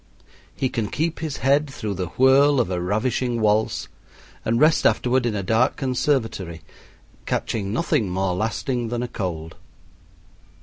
He can keep his head through the whirl of a ravishing waltz, and rest afterward in a dark conservatory, catching nothing more lasting than a cold.